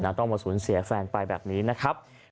ต้องมาสูญเสียแฟนไปแบบนี้นะครับ